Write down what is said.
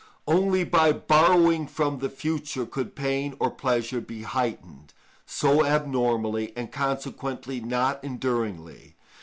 Only by borrowing from the future could pain or pleasure be heightened so abnormally, and consequently not enduringly.